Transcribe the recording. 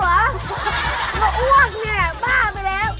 ว่าอ้วกเนี่ยบ้าไปแล้ว